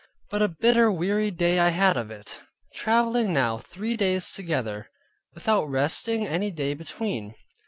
But a bitter weary day I had of it, traveling now three days together, without resting any day between.